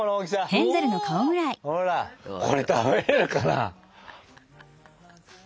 これ食べれるかな。